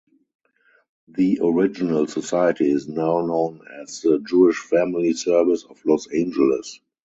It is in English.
The original society is now known as the "Jewish Family Service of Los Angeles".